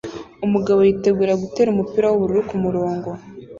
Umugabo yitegura gutera umupira wubururu kumurongo